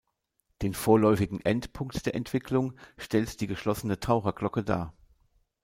Den vorläufigen Endpunkt der Entwicklung stellt die geschlossene Taucherglocke dar.